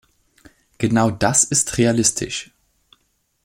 Genau das ist realistisch.